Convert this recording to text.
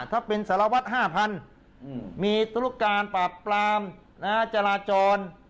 ถ้าเป็นสารวัตรห้าพันอืมมีธุรการปรับปรามอ่าจราจร